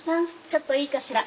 ちょっといいかしら？